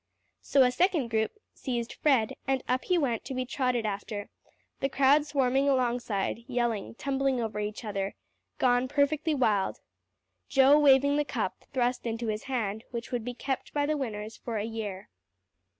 So a second group seized Fred; and up he went to be trotted after, the crowd swarming alongside, yelling, tumbling over each other, gone perfectly wild; Joe waving the cup, thrust into his hand, which would be kept by the winners for a year.